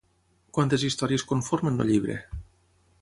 Quantes històries conformen el llibre?